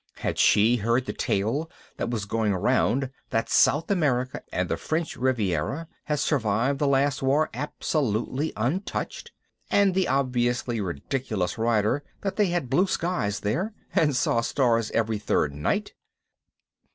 Had she heard the tale that was going around that South America and the French Riviera had survived the Last War absolutely untouched? and the obviously ridiculous rider that they had blue skies there and saw stars every third night?